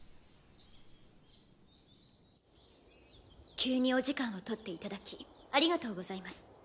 急にお時間を取っていただきありがとうございます。